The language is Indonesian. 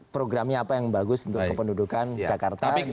programnya apa yang bagus untuk kependudukan jakarta